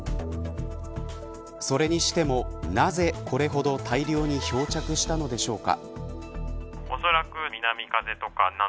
それにしても、なぜこれほど大量に漂着したのでしょうか。